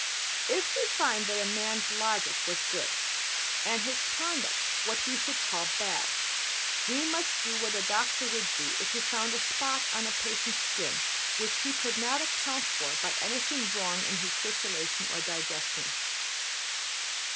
If we find that a man's logic was good, and his conduct what we should call bad, we must do what a doctor would do if he found a spot on a patient's skin which he could not account for by anything wrong in his circulation or digestion.